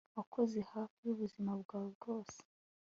Wakoze hafi yubuzima bwawe bwose